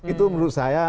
itu menurut saya